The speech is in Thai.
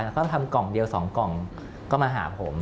แล้วก็ทำกล่องเดียว๒กล่องก็มาหาผม